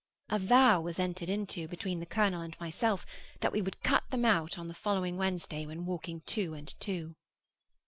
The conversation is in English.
A vow was entered into, between the colonel and myself, that we would cut them out on the following Wednesday when walking two and two.